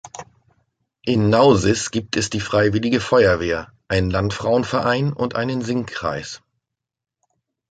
In Nausis gibt es die Freiwillige Feuerwehr, einen Landfrauenverein und einen Singkreis.